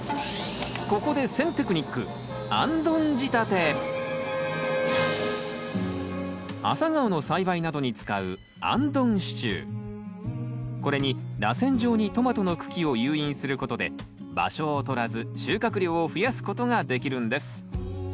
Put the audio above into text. ここでアサガオの栽培などに使うこれにらせん状にトマトの茎を誘引することで場所をとらず収穫量を増やすことができるんです。